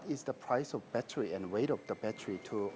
untuk kebanyakan kota indonesia